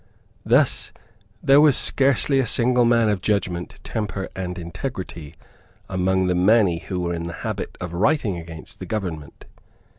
Thus there was scarcely a single man of judgment, temper and integrity among the many who were in the habit of writing against the government.